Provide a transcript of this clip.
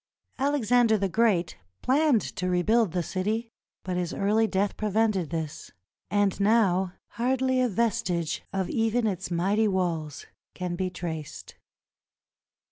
Alexander the Great planned to rebuild the city, but his early death prevented this, and now hardly a vestige of even its mighty walls can be traced.